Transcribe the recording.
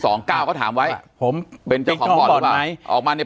ปากกับภาคภูมิ